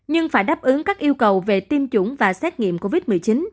nhưng phải đáp ứng các yêu cầu về tiêm chủng và xét nghiệm covid một mươi chín